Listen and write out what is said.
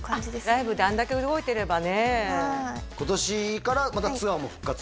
ライブであんだけ動いてればねはい今年からまたツアーも復活？